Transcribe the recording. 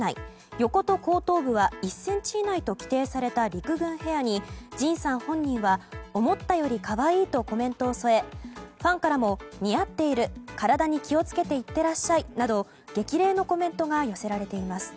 横と後頭部は１ｃｍ以内と規定された陸軍ヘアに、ＪＩＮさん本人は思ったより可愛いとコメントを添え、ファンからも似合っている、体に気をつけて行ってらっしゃいなど激励のコメントが寄せられています。